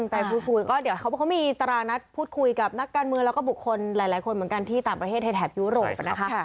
ไปพูดคุยก็เดี๋ยวเขามีตารางนัดพูดคุยกับนักการเมืองแล้วก็บุคคลหลายคนเหมือนกันที่ต่างประเทศในแถบยุโรปนะคะ